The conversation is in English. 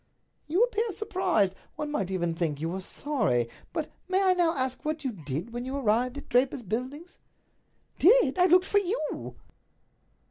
"You appear surprised. One might even think that you were sorry. But may I now ask what you did when you arrived at Draper's Buildings?" "Did! I looked for you!"